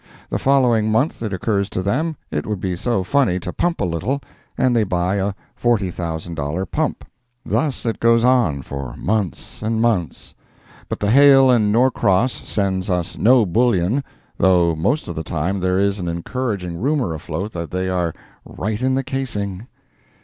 The following month it occurs to them it would be so funny to pump a little—and they buy a forty thousand dollar pump. Thus it goes on for months and months, but the Hale & Norcross sends us no bullion, though most of the time there is an encouraging rumor afloat that they are "right in the casing!"